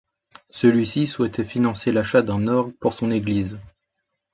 Celui-ci souhaitait financer l'achat d'un orgue pour son église.